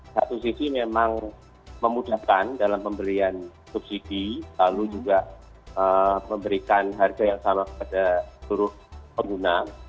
satu sisi memang memudahkan dalam pemberian subsidi lalu juga memberikan harga yang sama kepada seluruh pengguna